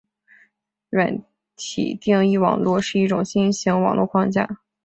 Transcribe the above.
软体定义网路是一种新型网络架构。